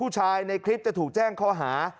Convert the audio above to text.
ถ้าพี่ในคลิปตกจ้างข้อหา